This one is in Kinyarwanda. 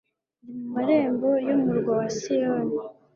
ndi mu marembo y’umurwa wa Siyoni